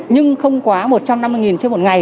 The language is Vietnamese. nhưng không quá một trăm năm mươi chiếc một ngày